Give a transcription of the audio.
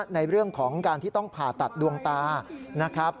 ในเรื่องของการที่ต้องผ่าตัดดวงตานะครับ